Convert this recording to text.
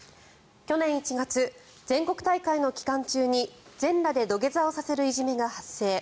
去年１月全国大会の期間中に全裸で土下座をさせるいじめが発生。